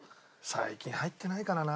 最近入ってないからな。